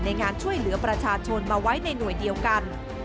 งานช่วยเหลือประชาชนมาไว้ในหน่วยเดียวกัน